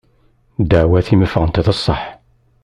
Ddeɛwat-im ffɣen d sseḥ.